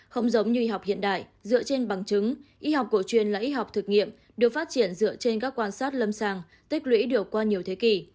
không giống như học hiện đại dựa trên bằng chứng y học cổ truyền là y học thực nghiệm được phát triển dựa trên các quan sát lâm sàng tích lũy được qua nhiều thế kỷ